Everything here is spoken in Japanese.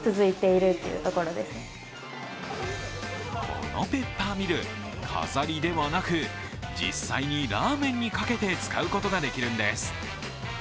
このペッパーミル、飾りではなく実際にラーメンにかけて使うことができるんです。